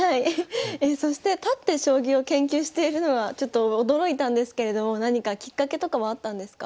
そして立って将棋を研究しているのはちょっと驚いたんですけれども何かきっかけとかはあったんですか？